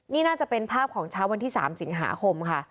นี่น่าจะเป็นภาพของเช้าวันที่๓สิงหาคมค่ะ